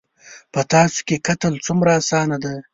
_په تاسو کې قتل څومره اسانه دی.